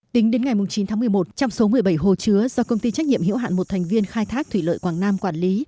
tính đến ngày chín tháng một mươi một trong số một mươi bảy hồ chứa do công ty trách nhiệm hiểu hạn một thành viên khai thác thủy lợi quảng nam quản lý